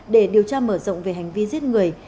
để điều tra mở rộng về hành vi giết người